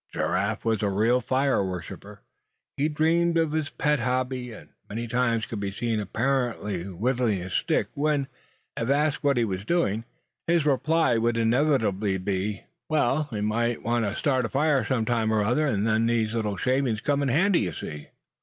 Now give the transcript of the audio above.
Giraffe was a real fire worshipper. He dreamed of his pet hobby; and many times could be seen, apparently idly whittling a stick; when, if asked what he was doing, his reply would invariably be: "Well, we might want to start a fire some time or other; and then these shavings'd come in handy, you see."